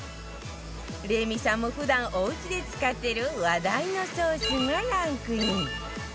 レミさんも普段おうちで使ってる話題のソースがランクイン